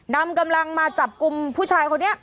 นำกำลังมาจับกลุ่มผู้ชายคนนี้